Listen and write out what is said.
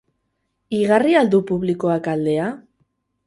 Igarriko al du publikoak aldea?